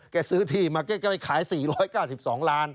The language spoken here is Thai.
ซื้อที่มาแกไปขาย๔๙๒ล้าน